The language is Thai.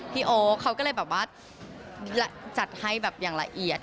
โอ๊คเขาก็เลยแบบว่าจัดให้แบบอย่างละเอียด